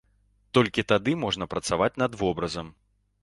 Толькі тады можна працаваць над вобразам.